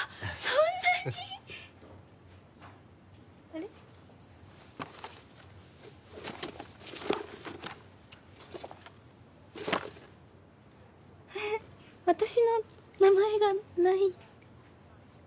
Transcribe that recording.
えっ私の名前がない。